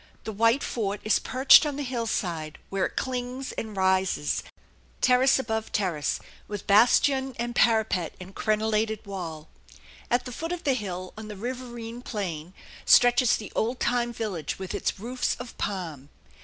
The white fort is perched on the hillside, where it clings and rises, terrace above terrace, with bastion and parapet and crenellated wall. At the foot of the hill, on the riverine plain, stretches the old time village with its roofs of palm.